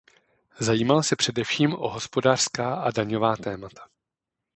Zajímal se především o hospodářská a daňová témata.